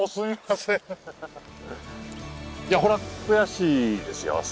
いやほら悔しいですよ